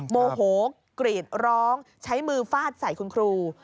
โมโหกรีดร้องใช้มือฟาดใส่คุณครู